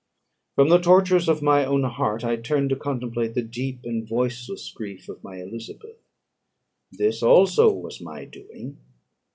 From the tortures of my own heart, I turned to contemplate the deep and voiceless grief of my Elizabeth. This also was my doing!